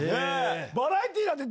バラエティーなんて。